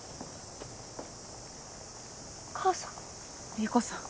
理子さん。